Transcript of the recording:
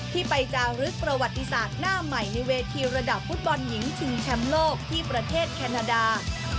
ที่ไปจารึกประวัติศาสตร์หน้าใหม่ในเวทีระดับฟุตบอลหญิงชิงแชมป์โลกที่ประเทศแคนาดา